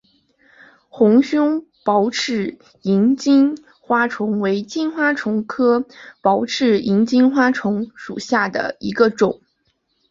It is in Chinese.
红胸薄翅萤金花虫为金花虫科薄翅萤金花虫属下的一个种。